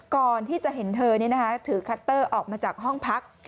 ก่อนที่จะเห็นเธอถือคัตเตอร์ออกมาจากห้องพัก